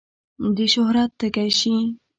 د شهرت تږی شي.